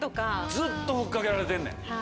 ずっと吹っかけられてんねん。